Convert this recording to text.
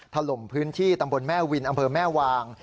ถล่มพื้นที่ตำบลแม่วินอำเภอแม่วาง